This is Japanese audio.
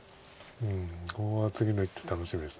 ここは次の一手楽しみです。